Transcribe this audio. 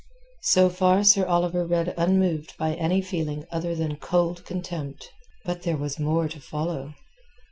So far Sir Oliver read unmoved by any feeling other than cold contempt. But there was more to follow.